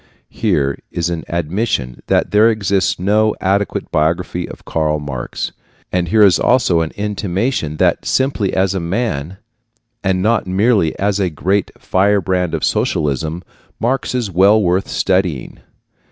Here is an admission that there exists no adequate biography of Karl Marx, and here is also an intimation that simply as a man, and not merely as a great firebrand of socialism, Marx is well worth studying.